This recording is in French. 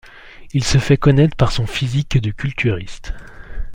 Il se fait connaître par son physique de culturiste.